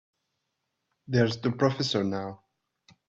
There's the professor now.